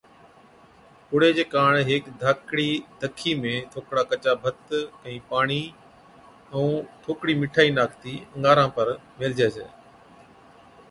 پُڙي چي ڪاڻ ھيڪ ڌاڪڙِي دکِي ۾ ٿوڪڙا ڪچا ڀت، ڪھِين پاڻِي ائُون ٿوڪڙِي مِٺائِي ناکتِي اڱاران پر ميھلجَي ڇَي